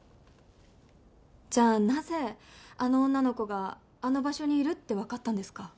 じゃあなぜあの女の子があの場所にいるってわかったんですか？